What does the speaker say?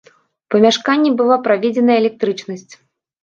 У памяшканне была праведзеная электрычнасць.